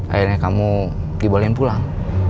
akhirnya kamu dibolehin pulang